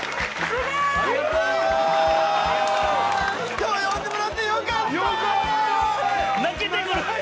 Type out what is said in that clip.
今日呼んでもらってよかった。